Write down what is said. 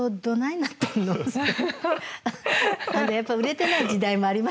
やっぱり売れてない時代もありましたからね。